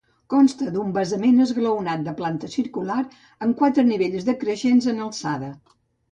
Consta d'un basament esglaonat de planta circular, amb quatre nivells decreixents en alçada.